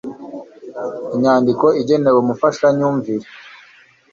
inyandiko igenewe umufashamyumvire